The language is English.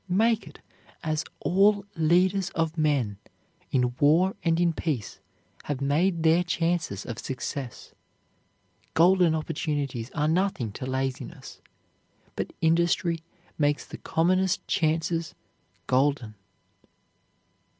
Make it, as all leaders of men, in war and in peace, have made their chances of success. Golden opportunities are nothing to laziness, but industry makes the commonest chances golden.